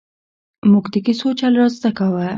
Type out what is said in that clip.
ـ مونږ د کیسو چل زده کاوه!